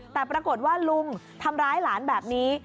แต่ปรากฏว่าลุงทำร้ายหลานแบบนี้